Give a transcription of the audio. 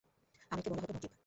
আমীরকে বলা হতো নকীব।